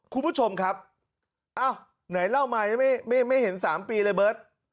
คุณผู้ชมครับไหนเล่าใหม่ไม่เห็น๓ปีเลยเบิร์ด